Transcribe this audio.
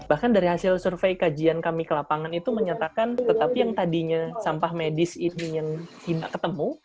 bahkan dari hasil survei kajian kami ke lapangan itu menyatakan tetapi yang tadinya sampah medis ini yang tidak ketemu